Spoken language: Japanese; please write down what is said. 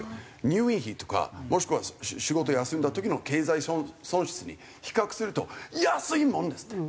入院費とかもしくは仕事を休んだ時の経済損失に比較すると安いもんですって。